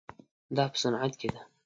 دا په صنعت کې ده.